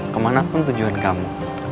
ke manapun tujuan kamu